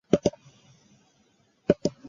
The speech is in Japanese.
ウエルバ県の県都はウエルバである